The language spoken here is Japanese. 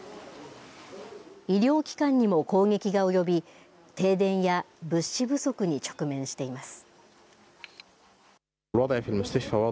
医療機関にも攻撃が及び停電や物資不足に直面しています。